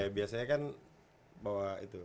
biasanya kan bawa itu